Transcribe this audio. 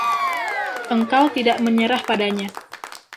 Engkau tidak menyerah padanya.